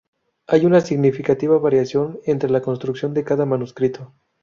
Hay una significativa variación entre la construcción de cada manuscrito.